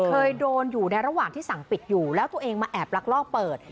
เคยโดนอยู่ในระหว่างที่สั่งปิดอยู่แล้วตัวเองมาแอบลักลอบเปิด